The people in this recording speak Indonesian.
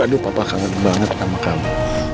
aduh papa kangen banget sama kamu